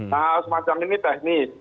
nah semacam ini teknis